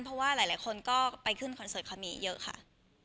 เพราะว่าหลายคนก็ไปขึ้นคอนเสิร์ตเขามีเยอะค่ะ